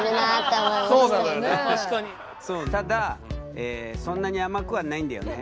ただそんなに甘くはないんだよね。